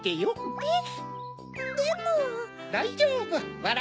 えっ？